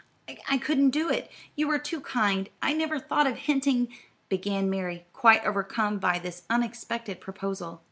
I couldn't do it! you are too kind; I never thought of hinting" began Mary, quite overcome by this unexpected proposal.